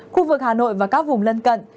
khu vực hà nội và các vùng lân cận